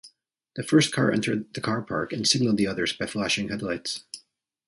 The first car entered the car park and signaled the others by flashing headlights.